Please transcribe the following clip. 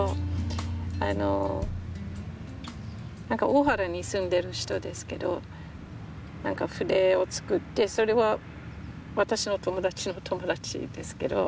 大原に住んでる人ですけど筆を作ってそれは私の友達の友達です。